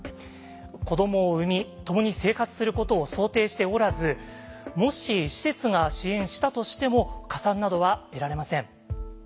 子どもを産み共に生活することを想定しておらずもし施設が支援したとしても加算などは得られません。